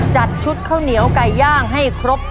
จัดชุดข้าวเหนียวไก่ย่างให้ครบ